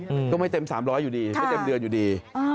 ก็ไม่เต็มสามร้อยอยู่ดีไม่เต็มเดือนอยู่ดี